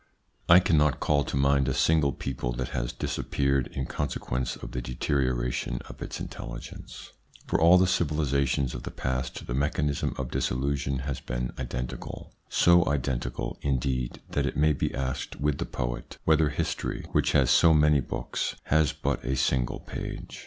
I cannot call to mind a single people that has disappeared in consequence of the deterioration of its intelligence. For all the civilisations of the past the mechanism of dissolution has been identical, so identical, indeed, that it may be asked with the poet, whether history, which has so many books, has but a single page.